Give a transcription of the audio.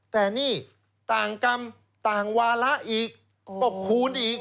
แต่นี่ต่างกรรมต่างวาระอีกก็คูณอีก